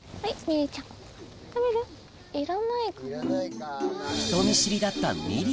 いらないかな。